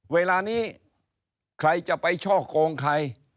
เวลานี้ใครจะไปช่อโกงใคร